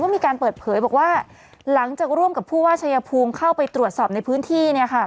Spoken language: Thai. มีการเปิดเผยบอกว่าหลังจากร่วมกับผู้ว่าชายภูมิเข้าไปตรวจสอบในพื้นที่เนี่ยค่ะ